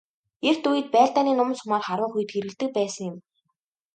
Эрт үед байлдааны нум сумаар харвах үед хэрэглэдэг байсан юм.